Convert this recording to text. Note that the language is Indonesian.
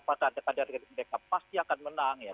pada kader kader mereka pasti akan menang ya